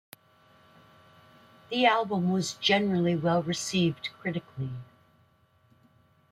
The album was generally well-received critically.